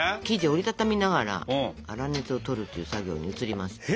生地を折り畳みながら粗熱をとるという作業に移ります。